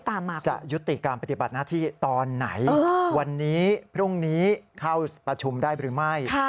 จะยุติการปฏิบัติหน้าที่ตอนไหนวันนี้พรุ่งนี้เข้าประชุมได้หรือไม่